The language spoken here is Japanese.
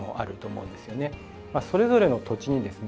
それぞれの土地にですね